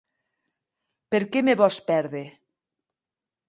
Per qué me vòs pèrder?